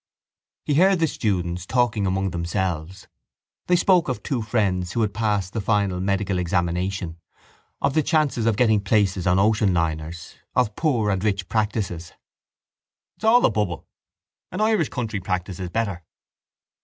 He heard the students talking among themselves. They spoke of two friends who had passed the final medical examination, of the chances of getting places on ocean liners, of poor and rich practices. —That's all a bubble. An Irish country practice is better.